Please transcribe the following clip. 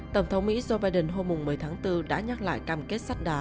tổng thống mỹ joe biden hôm một mươi tháng bốn đã nhắc lại cam kết sắt đá